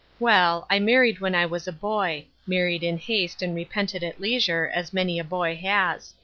Well, I married when I was a ooy; married in haste and repented at leisure, as many a boy has.